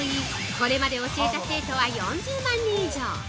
これまで教えた生徒は４０万人以上！